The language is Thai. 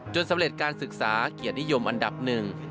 สำเร็จการศึกษาเกียรตินิยมอันดับหนึ่ง